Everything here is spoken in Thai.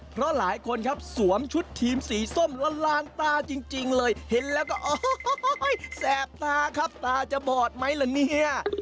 เพราะหลายคนครับสวมชุดทีมสีส้มละลานตาจริงเลยเห็นแล้วก็โอ้โหแสบตาครับตาจะบอดไหมล่ะเนี่ย